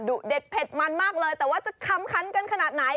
เด็ดเผ็ดมันมากเลยแต่ว่าจะคำคันกันขนาดไหน